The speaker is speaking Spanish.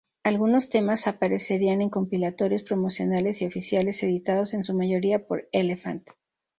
Algunos temas aparecerían en compilatorios promocionales y oficiales, editados en su mayoría por Elefant.